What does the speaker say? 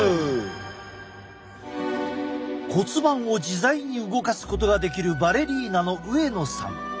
骨盤を自在に動かすことができるバレリーナの上野さん。